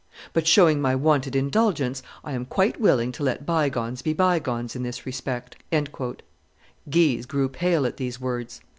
But, showing my wonted indulgence, I am quite willing to let bygones be bygones in this respect. Guise grew pale at these words.